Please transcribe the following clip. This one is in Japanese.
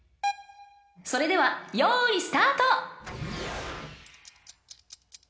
［それではよいスタート］